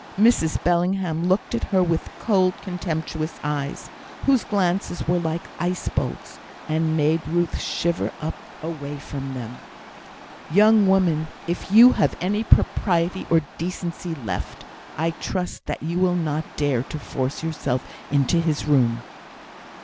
Mrs Bellingham looked at her with cold, contemptuous eyes, whose glances were like ice bolts, and made Ruth shiver up away from them. "Young woman, if you have any propriety or decency left, I trust that you will not dare to force yourself into his room."